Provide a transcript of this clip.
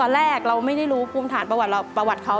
แรกเราไม่ได้รู้ภูมิฐานประวัติเขา